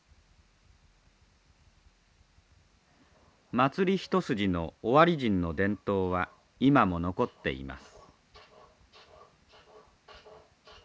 祭り一筋の尾張人の伝統は今も残っています。